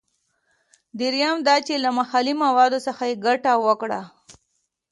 دریم دا چې له محلي موادو څخه یې ګټه وکړه.